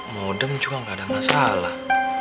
modem juga nggak ada masalah